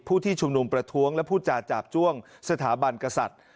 ผู้ที่ชุมนุมประท้วงและพูดจาจาบจ้วงสถาบันกษัตริย์